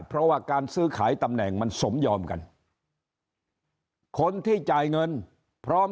เพราะว่าการซื้อขายตำแหน่งมันสมยอมกันคนที่จ่ายเงินพร้อม